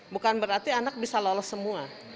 bukan berarti anak bisa lolos semua